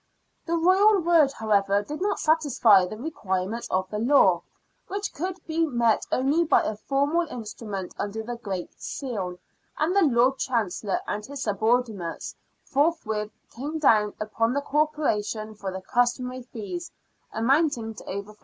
The Royal word, however, did not satisfy the requirements of the law, which could be met only by a formal instrument under the Great Seal, and the Lord Chancellor and his subordinates forthwith came down upon the Corporation for the^^customary fees, amounting to over £14.